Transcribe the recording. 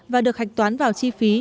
và được hạch toán vào chi phí